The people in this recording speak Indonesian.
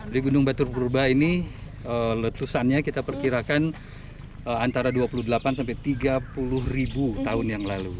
di gunung batur purba ini letusannya kita perkirakan antara dua puluh delapan sampai tiga puluh ribu tahun yang lalu